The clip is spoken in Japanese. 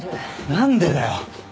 何でだよ！